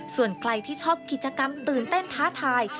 ส่วนใครที่ชอบกิจกรรมตื่นเต้นท้าทาย